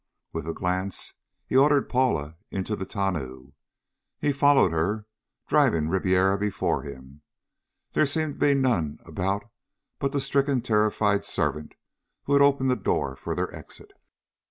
With a glance, he ordered Paula into the tonneau. He followed her, driving Ribiera before him. There seemed to be none about but the stricken, terrified servant who had opened the door for their exit.